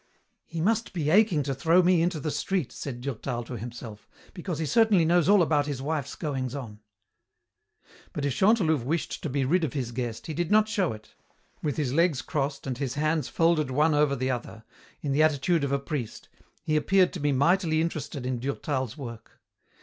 "He must be aching to throw me into the street," said Durtal to himself, "because he certainly knows all about his wife's goings on." But if Chantelouve wished to be rid of his guest he did not show it. With his legs crossed and his hands folded one over the other, in the attitude of a priest, he appeared to be mightily interested in Durtal's work.